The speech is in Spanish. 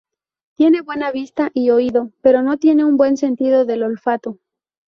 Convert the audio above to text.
Tiene buena vista y oído, pero no tiene un buen sentido del olfato.